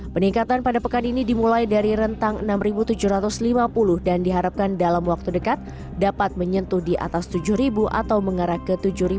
peningkatan pada pekan ini dimulai dari rentang enam tujuh ratus lima puluh dan diharapkan dalam waktu dekat dapat menyentuh di atas tujuh atau mengarah ke tujuh dua ratus lima puluh